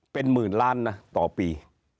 เป็นหมื่นล้านนะต่อปี